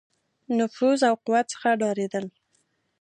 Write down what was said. نفوذ او قوت څخه ډارېدل.